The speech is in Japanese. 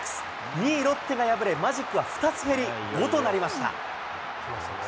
２位ロッテが敗れ、マジックは２つ減り、５となりました。